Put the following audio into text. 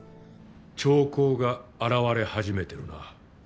兆候が現れ始めてるな。